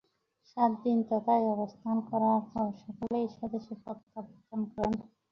সাতদিন তথায় অবস্থান করার পর সকলেই স্বদেশে প্রত্যাবর্তন করেন।